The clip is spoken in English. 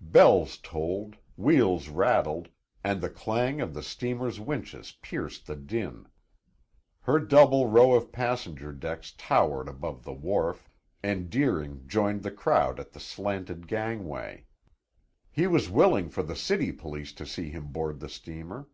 Bells tolled, wheels rattled, and the clang of the steamer's winches pierced the din. Her double row of passenger decks towered above the wharf, and Deering joined the crowd at the slanted gangway. He was willing for the city police to see him board the steamer.